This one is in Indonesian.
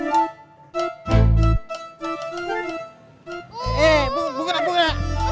eh buka dah buka